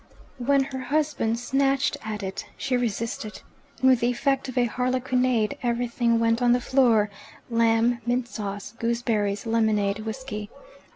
When her husband snatched at it she resisted, and with the effect of a harlequinade everything went on the floor lamb, mint sauce, gooseberries, lemonade, whisky.